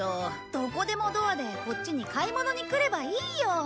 どこでもドアでこっちに買い物に来ればいいよ。